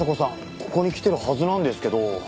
ここに来てるはずなんですけど。